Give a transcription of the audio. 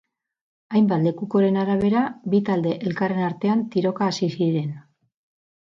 Hainbat lekukoren arabera, bi talde elkarren artean tiroka hasi ziren.